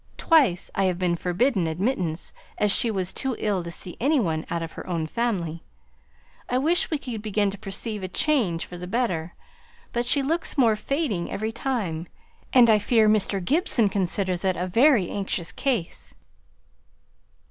Twice I have been forbidden admittance, as she was too ill to see any one out of her own family. I wish we could begin to perceive a change for the better; but she looks more fading every time, and I fear Mr. Gibson considers it a very anxious case."